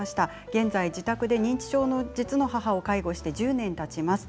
現在、自宅で認知症の実の母を介護して１０年たちます。